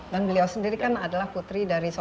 dan beliau sendiri kan adalah putri dari sejarah